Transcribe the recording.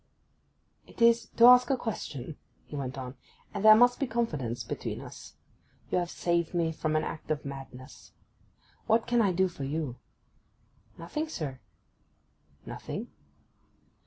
'It is to ask a question,' he went on, 'and there must be confidence between us. You have saved me from an act of madness! What can I do for you?' 'Nothing, sir.' 'Nothing?